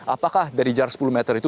apakah dari jarak sepuluh meter itu